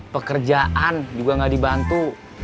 pekerjaan juga nggak dibantu